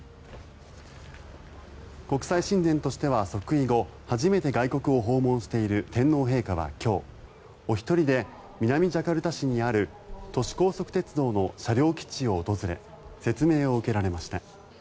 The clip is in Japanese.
国際親善としては即位後初めて外国を訪問している天皇陛下は今日お一人で南ジャカルタ市にある都市高速鉄道の車両基地を訪れ説明を受けられました。